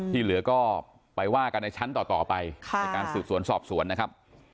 ที่เหลือก็ไปว่ากันในชั้นต่อไปในการสืบสวนสอบสวนนะครับ